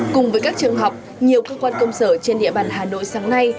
cùng với các trường học nhiều cơ quan công sở trên địa bàn hà nội sáng nay